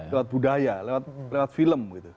lewat budaya lewat film gitu